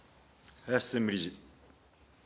林専務理事。